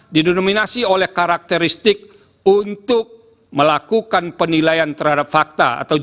didonominasi oleh karakteristik untuk melakukan penilaian terhadap fakta atau jawaban